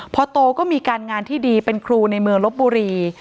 พอโตก็มีการงานที่ดีเป็นครูในเมืองลบบุรี